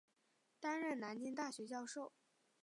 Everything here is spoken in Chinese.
担任南京大学教授。